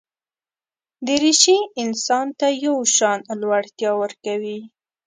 دریشي انسان ته یو شان لوړتیا ورکوي.